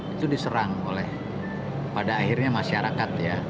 itu diserang oleh pada akhirnya masyarakat ya